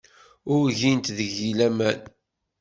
Ur gint deg-i laman.